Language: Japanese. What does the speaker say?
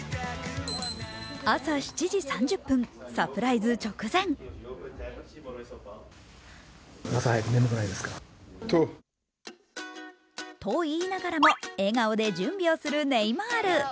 朝７時３０分、サプライズ直前と言いながらも、笑顔で準備をするネイマール。